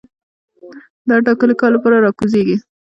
د هر ټاکلي کار لپاره را کوزيږي